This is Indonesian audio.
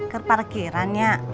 ke parkiran ya